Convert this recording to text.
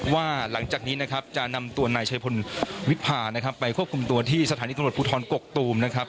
ว่าหลังจากนี้นะครับจะนำตัวนายชายพลวิพานะครับไปควบคุมตัวที่สถานีตำรวจภูทรกกตูมนะครับ